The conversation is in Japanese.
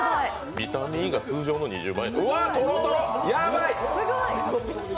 ビタミンＥが通常の２０倍。